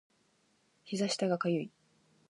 膝下が痒い